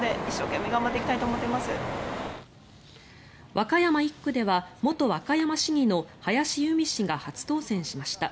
和歌山１区では元和歌山市議の林佑美氏が初当選しました。